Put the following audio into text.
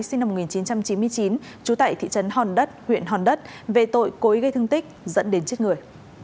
sinh năm một nghìn chín trăm chín mươi chín trú tại thị trấn hòn đất huyện hòn đất về tội cối gây thương tích dẫn đến chết người